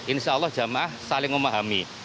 insya allah jemaah saling memahami